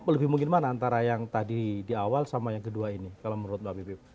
lebih mungkin mana antara yang tadi di awal sama yang kedua ini kalau menurut mbak pipip